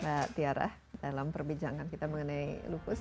mbak tiara dalam perbincangan kita mengenai lupus